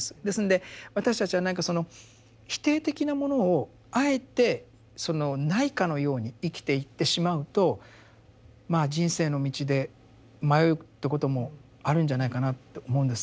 ですんで私たちは何かその否定的なものをあえてそのないかのように生きていってしまうとまあ人生の道で迷うということもあるんじゃないかなって思うんですね。